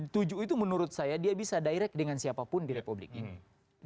tujuh itu menurut saya dia bisa direct dengan siapapun di republik ini